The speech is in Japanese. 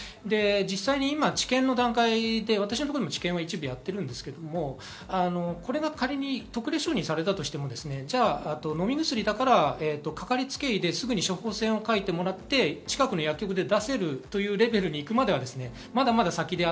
今、治験の段階で私も一部治験をしていますが、仮に特例承認されたとしても飲み薬だからかかりつけ医ですぐに処方箋を書いてもらって近くの薬局で出せるというレベルにいくまではまだまだ先です。